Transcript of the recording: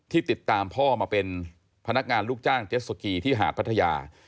ติดตามพ่อมาเป็นพนักงานลูกจ้างเจ็ดสกีที่หาดพัทยา